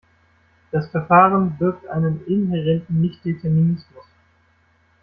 Das Verfahren birgt einen inhärenten Nichtdeterminismus.